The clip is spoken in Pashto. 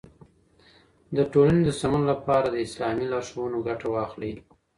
د ټولني د سمون لپاره له اسلامي لارښوونو ګټه واخلئ.